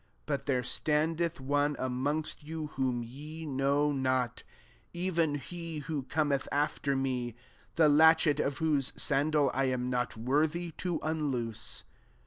but there standeth one amongst you, whom ye know not; 27 even he who Cometh after me; the latchet of whose sandal I am not worthy to unloose."